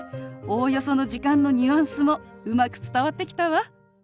おおよその時間のニュアンスもうまく伝わってきたわ。